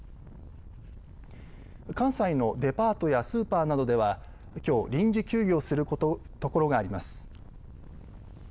関西のデパートやスーパーなどではきょう、臨時休業するところがあります。